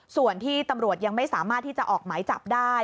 ส่วนที่ตำรวจยังไม่สามารถที่จะออกหมายจับได้